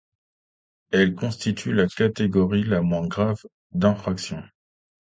Elle constitue la catégorie la moins grave d'infraction.